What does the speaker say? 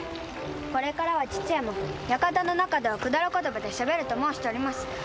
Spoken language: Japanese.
これからは父上も館の中では百済語でしゃべると申しております。